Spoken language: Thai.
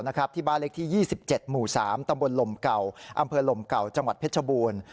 ในบ้านเลขที่๒๗หมู่๓ตำบลหลมเก่าอหลมเก่าจมเพชรบูน